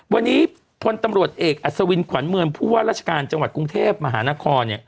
วันนี้พลตำรวจเอกอัศวินขวัญเมืองผู้ว่าราชการจังหวัดกรุงเทพมหานคร